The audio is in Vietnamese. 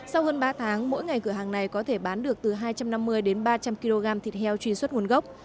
sau hơn ba tháng mỗi ngày cửa hàng này có thể bán được từ hai trăm năm mươi đến ba trăm linh kg thịt heo truy xuất nguồn gốc